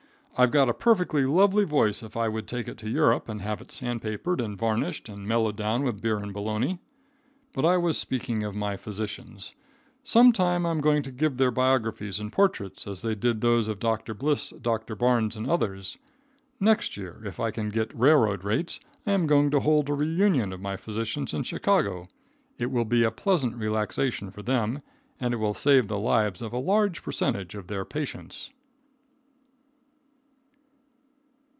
I've got a perfectly lovely voice, if I would take it to Europe and have it sand papered and varnished, and mellowed down with beer and bologna. But I was speaking of my physicians. Some time I'm going to give their biographies and portraits, as they did those of Dr. Bliss, Dr. Barnes and others. Next year, if I can get railroad rates, I am going to hold a reunion of my physicians in Chicago. It will be a pleasant relaxation for them, and will save the lives of a large percentage of their patients.